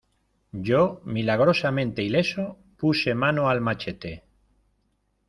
yo, milagrosamente ileso , puse mano al machete: